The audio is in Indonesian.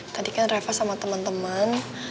tadi kan reva sama teman teman